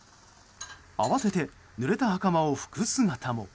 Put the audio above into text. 慌てて、ぬれた袴を拭く姿も。